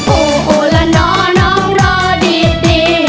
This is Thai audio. โอ้โอ้เลิกน้องน้องรอดี